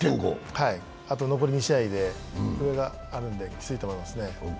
あと残り２試合で、これがあるのできついと思いますね。